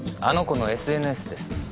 あの子のＳＮＳです。